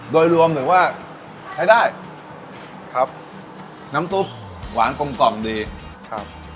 โดยรวมหรือว่าใช้ได้ครับน้ำซุปหวานกลมกล่อมดีครับ